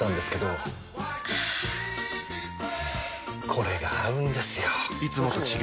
これが合うんですよ！